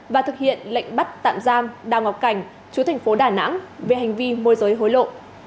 và thực hiện lệnh bắt tạm giam đào ngọc cảnh chú thành phố đà nẵng về hành vi môi giới hối lộ